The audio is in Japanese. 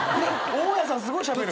大家さんすごいしゃべる。